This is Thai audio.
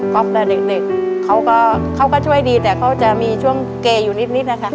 ก็เด็กเขาก็ช่วยดีแต่เขาจะมีช่วงเกย์อยู่นิดนะคะ